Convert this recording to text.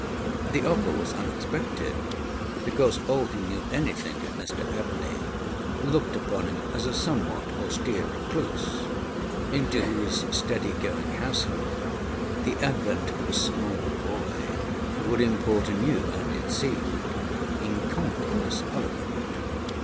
The offer was unexpected, because all who knew anything of Mr Abney looked upon him as a somewhat austere recluse, into whose steady going household the advent of a small boy would import a new and, it seemed, incongruous element.